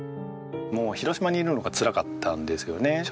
もう広島にいるのがつらかったんですよね。